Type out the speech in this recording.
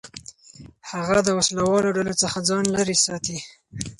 هغه د وسلهوالو ډلو څخه ځان لېرې ساتي.